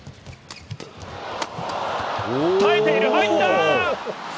耐えている、入った！